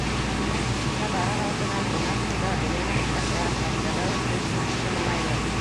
Тимәк, эшкә барыр алдынан, унан һуң да донъя мәшәҡәттәрен хәстәрләү өсөн шул тиклем уңайлы.